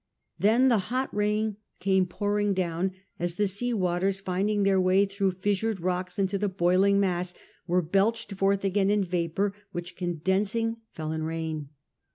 Then the hot rain came pouring down, as the sea waters, find ing their way through fissured rocks into the boiling mass, were belched forth again in vapour, which con densing fell in rain.